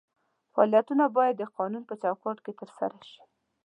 فعالیتونه باید د قانون په چوکاټ کې ترسره شي.